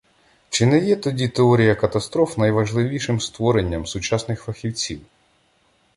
Чи не є тоді теорія катастроф найважливішим створенням сучасних фахівців?